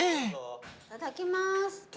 いただきます。